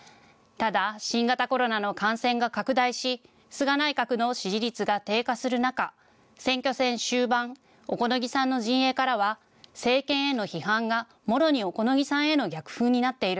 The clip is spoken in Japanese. ただ新型コロナの感染が拡大し菅内閣の支持率が低下する中、選挙戦終盤、小此木さんの陣営からは政権への批判がもろに小此木さんへの逆風になっている。